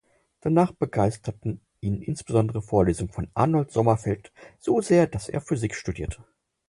Danach begeisterten ihn insbesondere Vorlesungen von Arnold Sommerfeld so sehr, dass er Physik studierte.